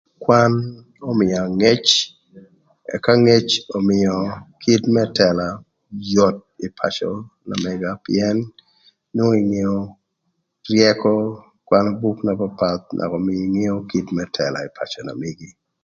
Kwan ömïa ngec, ëka ngec ömïö kite më tëla yot ï pacö na mëga pïën nwongo ngeo ryëkö ïkwanö buk na papath naka omii ingeo kit më tëla ï pacö na megi.